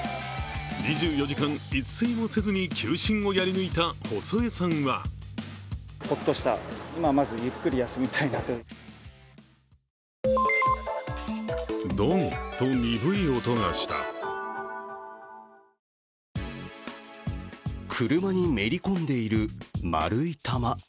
２４時間、一睡もせずに球審をやり抜いた細江さんは車にめり込んでいる丸い玉。